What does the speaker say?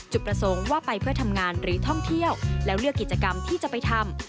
ประสงค์ว่าไปเพื่อทำงานหรือท่องเที่ยวแล้วเลือกกิจกรรมที่จะไปทำ